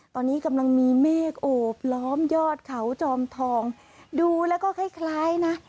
ตอนนี้กำลังมีเมฆโอบล้อมยอดเขาจอมทองดูแล้วก็คล้ายคล้ายนะ